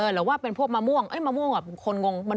หรือว่าเป็นพวกมะม่วงมะม่วงคนงง